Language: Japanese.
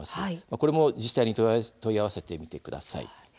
これも自治体に問い合わせてみてください。